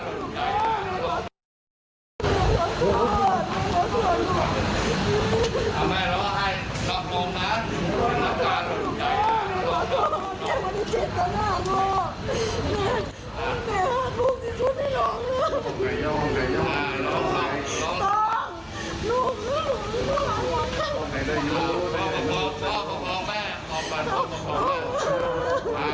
ตอกนี่นะครับลูกนี้ช่วยพี่น้องนะ